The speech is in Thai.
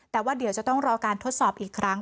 แต่ว่าเดี๋ยวจะต้องรอการทดสอบอีกครั้ง